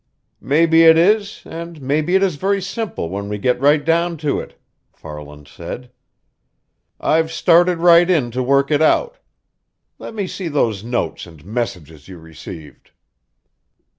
"Maybe it is, and maybe it is very simple when we get right down to it," Farland said. "I've started right in to work it out. Let me see those notes and messages you received."